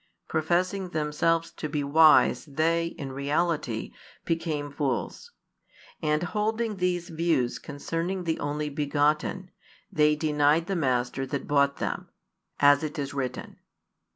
Professing themselves to be wise they in reality became fools; and holding these views concerning the Only begotten, they denied the Master that bought them, as it is written.